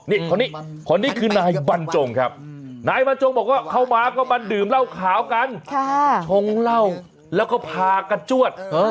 นี่คนนี้คนนี้คือนายบรรจงครับนายบรรจงบอกว่าเข้ามาก็มาดื่มเหล้าขาวกันชงเหล้าแล้วก็พากันจวด